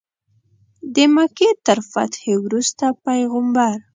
د مکې تر فتحې وروسته پیغمبر.